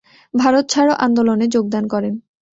ভারত ছাড় আন্দোলনে যোগদান করেন।